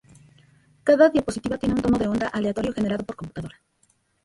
Cada diapositiva tiene un tono de onda aleatorio generado por computadora.